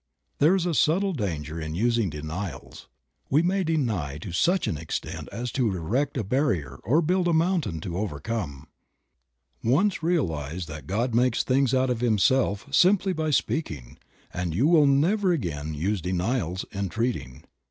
There is a subtle danger in using denials; we may deny to such an extent as to erect a barrier or build a mountain to overcome. Once realize 42 Creative Mind. that God makes things out of Himself simply by speaking, and you will never again use denials in treating.